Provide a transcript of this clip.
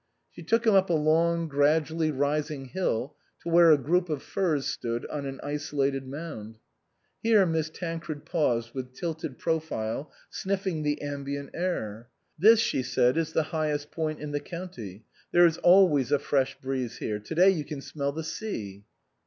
She took him up a long, gradually rising hill to where a group of firs stood on an isolated mound. Here Miss Tancred paused, with tilted profile, sniffing the ambient air. " This," she said, " is the highest point in the county ; there is always a fresh breeze here ; to day you can smell the sea."